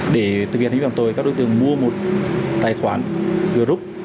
để thực hiện hình ảnh tôi các đối tượng mua một tài khoản group